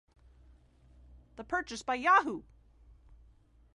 The purchase by Yahoo!